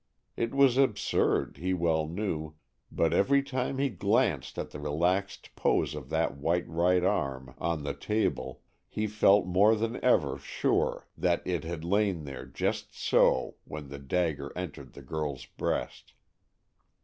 It was absurd, he well knew, but every time he glanced at the relaxed pose of that white right arm on the table, he felt more than ever sure that it had lain there just so when the dagger entered the girl's breast.